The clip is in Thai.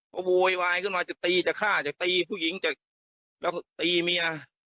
ก็โวยวายขึ้นมาจะตีจะฆ่าจะตีผู้หญิงจะแล้วก็ตีเมีย